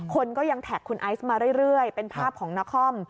คนก็ยังแท็กคุณไอซ์มาเรื่อยเป็นภาพของนคร